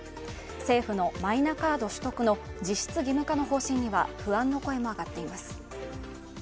政府のマイナカード取得の実質義務化の方針には不安の声も上がっています。